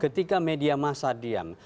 ketika media masa diam